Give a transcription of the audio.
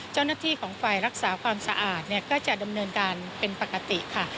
เจ้าหน้าที่ของฝ่ายรักษาความสะอาดก็จะดำเนินการเป็นปกติค่ะ